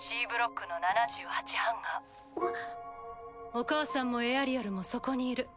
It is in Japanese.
お母さんもエアリアルもそこにいる。